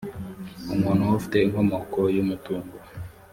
umuntu ufite inkomoko y u mutungo